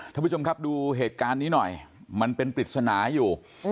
ท่านผู้ชมครับดูเหตุการณ์นี้หน่อยมันเป็นปริศนาอยู่